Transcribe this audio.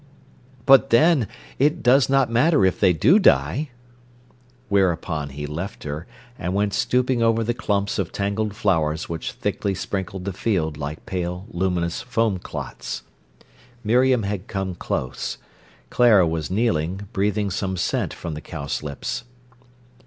"But then—it does not matter if they do die." Whereupon he left her, and went stooping over the clumps of tangled flowers which thickly sprinkled the field like pale, luminous foam clots. Miriam had come close. Clara was kneeling, breathing some scent from the cowslips.